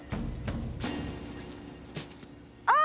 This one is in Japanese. あ！